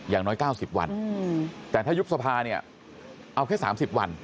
อย่างน้อย๙๐วันแต่ถ้ายุบสภาเนี่ยเอาแค่๓๐วัน